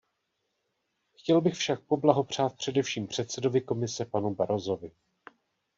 Chtěl bych však poblahopřát především předsedovi Komise, panu Barrosovi.